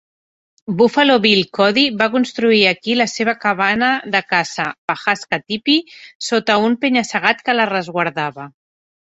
Buffalo Bill Cody va construir aquí la seva cabana de caça, Pahaska Teepee, sota un penya-segat que la resguardava.